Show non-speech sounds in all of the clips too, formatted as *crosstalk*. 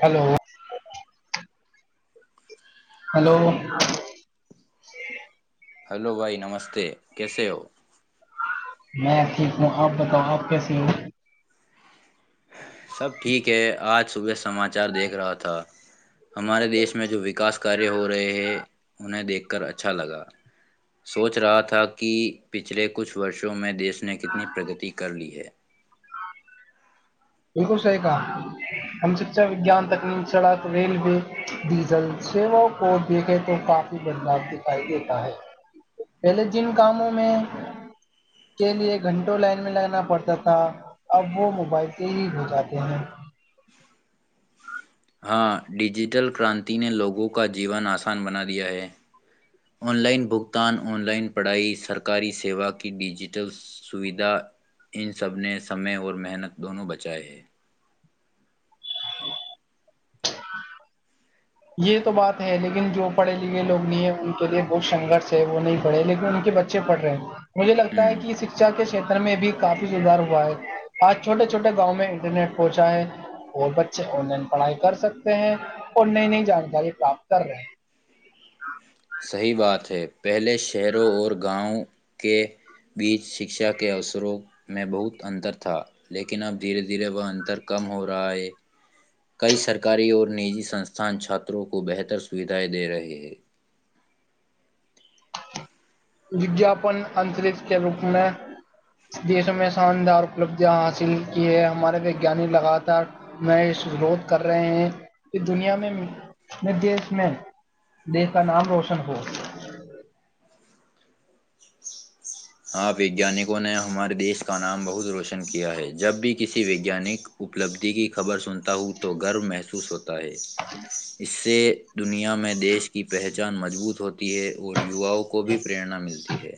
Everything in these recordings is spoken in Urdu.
ہلو ہلو ہلو بھائی نمستے کیسے ہو میں ٹھیک ہوں آپ بتاؤ آپ کیسیے ہو سب ٹھیک ہے آج صبح سماچار دیکھ رہا تھا ہمارے دیش میں جو وکاس کاریہ ہو رہے ہیں انہیں دیکھ کر اچھا لگا سوچ رہا تھا کہ پچھلے کچھ وورسوں میں دیش نے کتنی پرگتی کر لی ہے بالکل صحیح کہا ہم شکا وگان تکنیک سڑک ریلوے ڈیزل سیوا کو دیکھے تو کافی بدلاؤ دکھائی دیتا ہے پہلے جن کاموں میں کے لیے گھنٹوں لائن میں لگانا پڑتا تھا اب وہ موبائل پہ ہی ہو جاتے ہیں ہاں ڈیجیٹل کرانتی نے لوگوں کا جیون آسان بنا دیا ہے آن لائن بھگتان آن لائن پڑھائی سرکاری سیوا کی ڈیجیٹل سویدھا ان سب نے سمے اور محنت دونوں بچائے ہے ا *inaudible* یہ تو بات ہے لیکن جو پڑھے لکھے لوگ نہیں ہے ان کے لیے بہت سنگرش ہے وہ نہیں پڑھے لیکن ان کے بچے پڑھ رہے ہیں مجھے لگتا ہے کہ یہ ہوں شکھا کے ک میں بھی کافی سھار ہوا ہے آج چھوٹے چھوٹے گاؤں میں انٹرنیٹ پہنچا ہے اور بچے آن لائن پڑھائی کر سکتے ہیں اور نئی نئی جانکاری پراپت کر رہے ہیں ہاں صحی بات ہے پہلے شہروں اور گاؤں کے بیچ شکشا کے اوسروں میں بہت انتر تھا لیکن اب دھیرے دھیرے وہ انتر کم ہو رہا ہے کئی سرکاری اور نجی سنستھان چھاتروں کو بہتر سویدھائیں دے رہے ہے وگاپن انتر کے روپ میں دیشوں میں شاندار اپلبدیاں حاصل کی ہے ہمارے وگانک لگاتار میںرھ کر رہے ہیں کہ دنیا میں دیش میں دیش کا نام روشن ہو ہاں ویگیانکوں نے ہمارے دیش کا نام بہت روشن کیا ہے جب بھی کسی ویجانک اپلبدھی کی خبر سنتے ہوں تو گرو محسوس ہوتا تا ہے اس سے دنیا میں د دیش کی پہچ چان مضبوط ہوتی ہے اور ووؤں کو بھی پریرنا ملتی ہے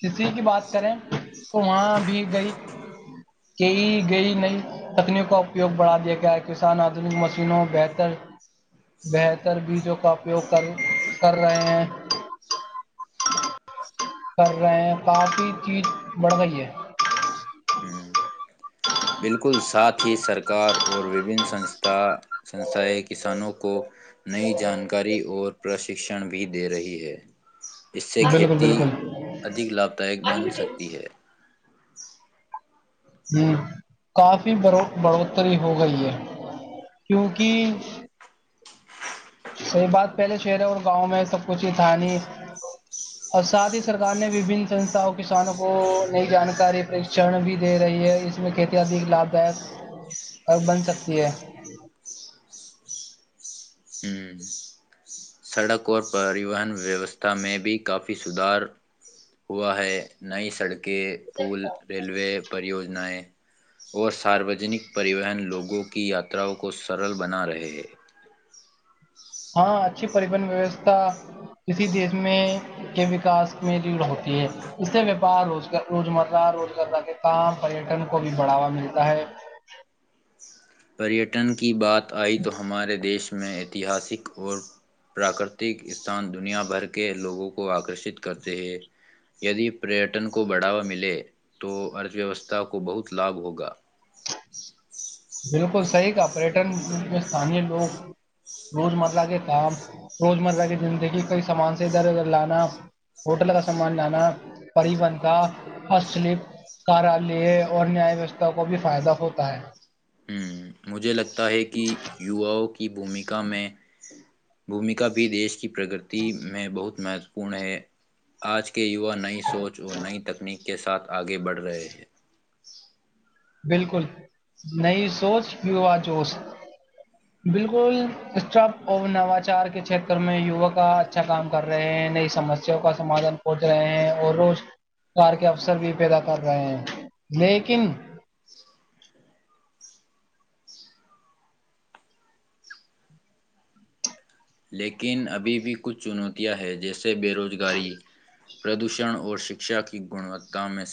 کسی کی بات کریں تو وہاں بھی گئی کئی گئی نئی تکنیک کا اپیوگ بڑھا دیا گیا ہے کسان آدنک مشینوں بہتر بہتر بیجوں کا اپیوگ کر کر رہے ہیں کر رہے ہیں کافی چیز بڑھ گئی ہے ہ بالکل ساتھ ہی سرکار اور وبن سستھا سستھایں کسانوں کو نئی جانکاری اور پرشکشن بھی دے رہی ہے اس سے بالکل کھیتی بالکل ادھک لابھدائک بن سکتی ہے ہ کافی ب بڑھوتری ہو گئی ہے کیونکہ سی بات پہلے شہر اور گاؤں میں سب کچھ ہی تھا نہیں اور ساتھ ہی سرکار نے وبن سستھا کسانوں کو نئی جانکاری پرکشن بھی دے رہی ہے اس میں کھیتی آد لابھ داک بن سکتی ہے ہ سڑک اور پریوہن ویوستھا میں بھی کافی سدھار ہوا ہے نئی سڑک کے پول ریلوے پررییوجنایں اور ساروجنک پریوہن لوگوں کی یاتاوں کو سرل بنا رہے ہیں ہاں اچھی پریبن ویوستھا کسی دیش میں کے وکاس میں لیڑ ہوتی ہے اس سے وپار روز روزمرہ روز گرہ کے کام پریٹن کو بھی بڑھاوا ملتا ہے پریٹن کی بات آئی تو ہمارے دیش میں ایتہاسک اور پراکرتک استان دنیا بھر کے لوگوں کو آکرشت کرتے ہیں یدی پریٹن کو بڑھاوا ملے تو ارتھ ویوستھا کو بہت لابھ ہوگا بالکل صحیح کا پریٹن میں ستانییہ لوگ روز مرہ کے کام روز مرہ کی زندگی کئی سامان سے ادھر ادھر لانا ہوٹل کا سامان لانا پریبن کالپ کارلیہ اور نیا ویوھا کو بھی فائدہ ہوتا ہے ہوں مجھے لگتا ہے کہ یوواؤں کے کی بھومکا میں بھومکا بھی دیش کی پرگتی میں بہت مہتوپورن ہے آج کے کہ یوا نئی سوچ اور نئی تکنیک کے ساتھ آگے بڑھ رہے ہیں بالکل نئی سوچ یا جوش بالکل اسٹپ اور نواچار کے چھیتر میں یوا کا اچھا کام کر رہے ہیں نئی سمسیا کا سمادھان کھج رہے ہیں اور روزگار کے اوسر بھی پیدا کر رہے ہیں لیکن السلام علیکم محترم لیکن ابھی بھی کچھ چنوتیاں ہیں جیسا سے بےروزگاری پردوشن اور شکشا کی گنوتا میں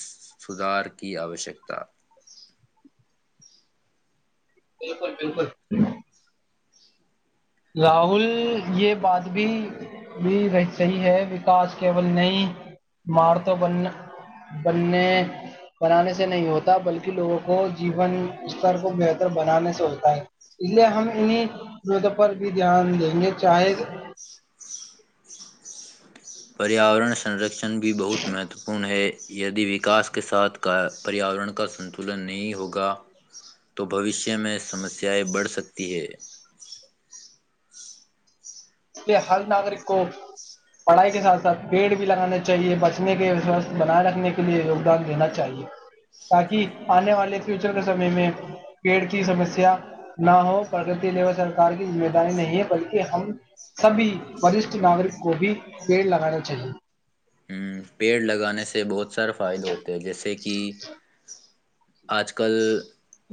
سدھار کی آوشکتا بالکل بالکل راہل یہ بات بھی بھی صحیح ہے وکاس کیول نئی مارتوں ب بننے بنانے سے نہیں ہوتا بلکہ لوگوں کو جیون استر کو بہتر بنانے سے ہوتا ہے اس لیے ہم انیں پر بھی دھیان دیں گے چاہے پریاورننرکن بھی بہت مہتو پورن ہے یدی وکاس کے ساتھ پریاورن کا سنتلن نہیں ہوگا تو بوشیہ میں سمسیائیں بڑھ سکتی ہیں اس ہر ناگرک کو پڑھائی کے ساتھ ساتھ پیڑ بھی لگانا چاہیے بچنے کے سوستھ بنائے رکھنے کے لیے یگدان دینا چاہیے تاکہ آنے والے فیوچر کے سمے میں پیڑ کی سمسیا نہ ہو پرگتی لی سرک کی ذمہ داری نہیں ہے بلکہ ہم سبھی وورشٹھ ناگرک کو بھی پیڑ لگانے چاہیے پیڑ لگانے سے بہت سارے فائدے ہوتے ہیں جیسے کہ آج کل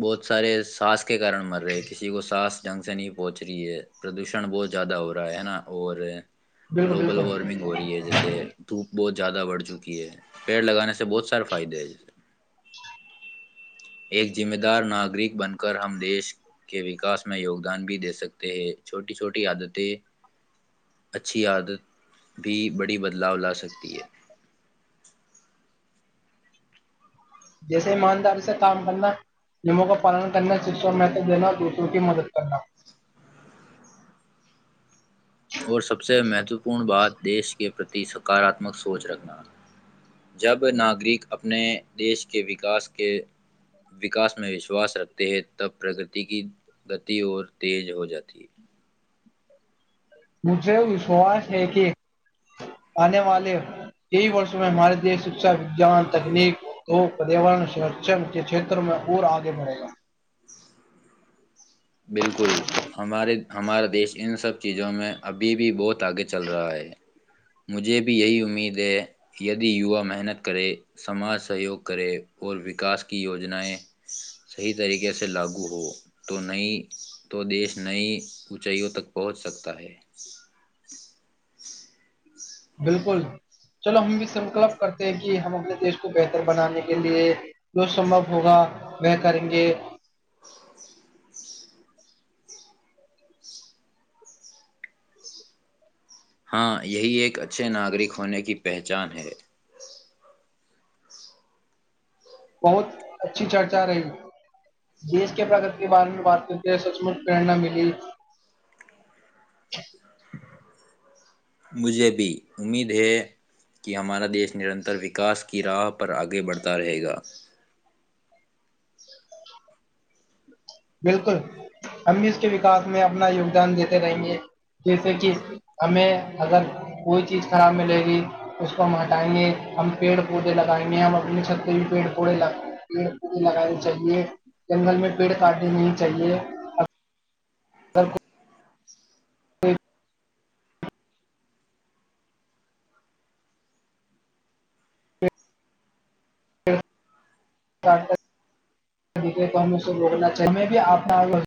بہت سارے ساس کے کارن مر رہے کسی کو سانس جنگ سے نہیں پہنچ رہی ہے پردوشن بہت زیادہ ہو رہا ہے ہے نا اور بالکل گلوبل بالکل وارمنگ ہو رہی ہے جیسے دھوپ بہت زیادہ بڑھ چکی ہے پیڑ لگانے سے بہت سارے فائدے ہیں ایک ذمہ دار ناگرک بن کر ہم دیش کے وکاس میں یوگدان بھی دے سکتے ہیں چھوٹی چھوٹی عادتیں اچھی عادت بھی بڑی بدلاؤ لا سک *unintelligible* جیسے ایمانداری سے کام کرنا نیموں کا پالن کرنا شکشا اور مہتو دینا اور دوسروں کی مدد کرنا اور سب سے مہتوپورن بات دیش کے پرتی سکارااتمک سوچ رکھنا جب ناگرک اپنے دیش کے وکاس کے وکاس میں وشواس رکھتے ہیں تب پرگتی کی گتی اور تیز ہو جاتی ہے مجھے وشواس ہے کہ آنے والے کئی وورسوں میں ہمارے دیش شکا وجان تکنیک اور پیاورن سرشن کے چھیتروں میں اور آگے بڑھے گا بالکل ہمارے ہمارا دیش ان سب چیزوں میں ابھی بھی بہت آگے چل رہا ہے مجھے بھی یہی امید ہے یدی یوا محنت کرے سماج سہیوگ کرے اور وکاس کی یوجناائیں صحیح طریقے سے لاگو ہو تو نئی تو دیش نئی اونچائیوں تک پہنچ سکتا ہے بالکل چلو ہم بھی سنکلپ کرتے ہیں کہ ہم اپنے دیش کو بہتر بنانے کے لیے جو سمبھو ہوگا وہ کریں گے ہاں یہی ایک اچھے ناگرک ہونے کی پہچان ہے بہت اچھی چرچا رہی دیش کے پرگتی کے بارے میں بات کرتے سچمچ پررنا ملی مجھے بھی امید ہے کہ ہمارا دیش نرنتر وکاس کی راہ پر آگے بڑھتا رہے گا بالکل ہم بھی اس کے وکاس میں اپنا یوگدان دیتے رہیں گے جیسے کہ ہمیں اگر کوئی چیز خراب ملے گی اس کو ہم ہٹائیں گے ہم پیڑ پودے لگائیں گے ہم اپنی چھری میں پیڑ پڑے پڑ پودے لگانے چاہیے جنگل میں پیڑ گاڈی نہیں چاہیے سر ہاں *inaudible* تو ہم اسے روکنا چل میں بھی آنا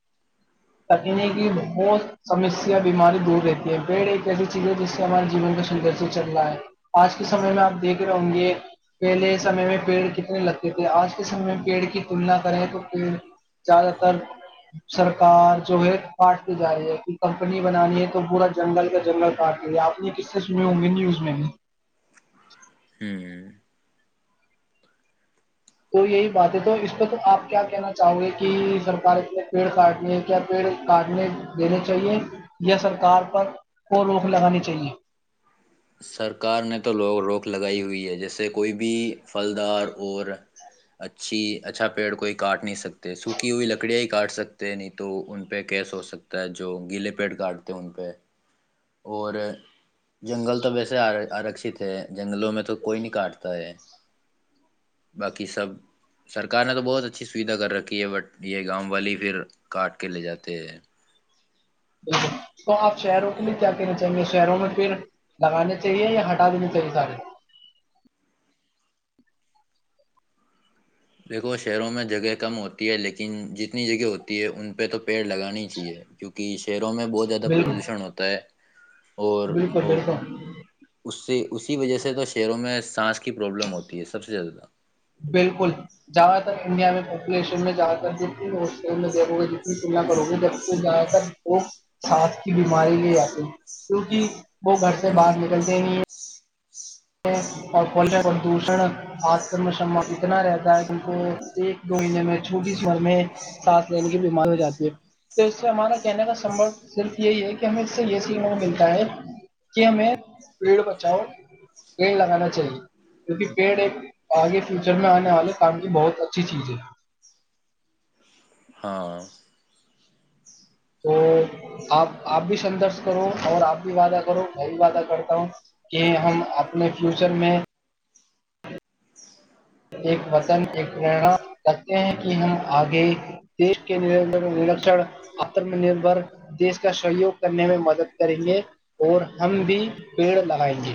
تکنے کی بہت سمسیا بیماری دور رہتی ہے پیڑ ایک ایسی چیز ہے جس سے ہمارے جیون کا سندر سے چل رہا ہے آج کے سمے میں آپ دیکھ رہے ہوں گے پہلے سمے میں پیڑ کتنے لگتے تھے آج کے سمے میں پیڑ کی تلنا کریں تو پھر زیادہ تر سرکار جو ہے کاٹتے جا رہی ہے کہ کمپنی بنانی ہے تو پورا جنگل کا جنگل کاٹتے رہ اپ نے کس سے سنی ہوں گی نیوز میں بھی ہوں تو یہی بات ہے تو اس پ تو آپ کیا کہنا چاہو گے کہ سرک اتنے پیڑ کاٹنے ہے کیا پیڑ کاٹنے دینے چاہیے یا سرکار پر کو روک لگانی چاہیے سرکار نے تو لوگ روک لگائی ہوئی ہے جیسے کوئی بھی پھلدار اور اچھی اچھا پیڑ کوئی کاٹ نہیں سکتے سوکھی ہوئی لکڑیاں ہی کاٹ سکتے نہیں تو ان پہ کیس ہو سکتا ہے جو گیلے پیڑ کاٹتے ان پہ اور جنگل تو ویسےر شکت ہے جنگلوں میں تو کوئی نہیں کاٹتا ہے باقی سب سرکار نے تو بہت اچھی سویدھا کر رکھی ہے بٹ یہ گاؤں والی پھر کاٹ کے لے جاتے ہے بالکل تو آپ شہروں کے لیے کیا کہنے چاہیں گے شہروں میں پیڑ لگانے چاہیے یا ہٹا دینے چاہیے سارے دیکھو شہروں میں جگہ کم ہوتی ہے لیکن جتنی جگہ ہوتی ہے ان پہ تو پیڑ لگانی چاہیے کیوںکہ شہروں میں بہت زیادہ بالکل پردوشن ہوتا ہے اور بالکل وہ بالکل اس سے اسی وجہ سے تو شہروں میں سانس کی پروابلم ہوتی ہے سب سے زیادہ جادہ تر انڈیا میں ایجویشن میں جا کر جو ہ میں دیکو گے جتنی تلنا کرو گے د جا وہ سانس کی بیماری آتی کیک وہ گھر سے باہر ہوں نکلتے نہیں ہیں اور پردوشن اتنا رہتا ہے کہ ان کو ایک دو مہینے میں چھوٹی سی مر میں سانس لینے کی بیمار ہو جاتی ہے تو اس سے ہمارا کہنے کا سمب صرف یہی ہے ہمیں اس سے یہ سیکھنے کو ملتا ہے کہ ہمیں پیڑ بچاؤ پیڑ لگانا چاہیے کیونکہ پیڑ ایک آگے فیوچر میں آنے والے کام کی بہت اچھی چیز ہے ہاں تو آپ آپ بھی سدرش کرو اور آپ بھی وعدہ کرو میں بھی وعدہ کرتا ہوں کہ ہم اپنے فیوچر میں ایک وطن ایک پنا رکھتے ہیں کہ ہم آگے دیش کے نرشر آتم نربر دیش کا سہیوگ کرنے میں مدد کریں گے اور ہم بھی پیڑ لگائیں گے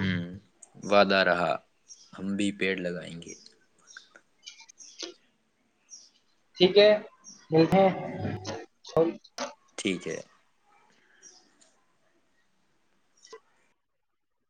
ہوں وعدہ رہا ہم بھی پیڑ لگائیں گے ٹھیک ہے ملتے ہیں ٹھیک ہے